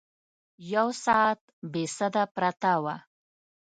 یو ساعت بې سده پرته وه.